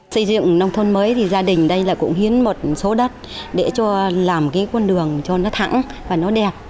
xây dựng nông thôn mới thì gia đình đây là cũng hiến một số đất để cho làm cái con đường cho nó thẳng và nó đẹp